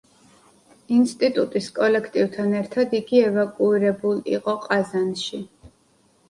ინსტიტუტის კოლექტივთან ერთად იგი ევაკუირებულ იყო ყაზანში.